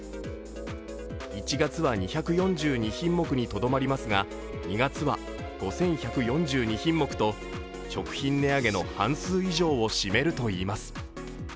１月は２４２品目にとどまりますが２月は５１４２品目と食品値上げの半数以上を占めるといいます。